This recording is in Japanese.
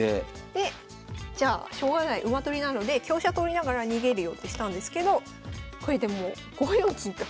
でじゃあしょうがない馬取りなので香車取りながら逃げるよってしたんですけどこれでも５四金と。